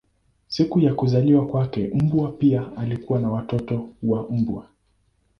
Siku ya kuzaliwa kwake mbwa pia alikuwa na watoto wa mbwa.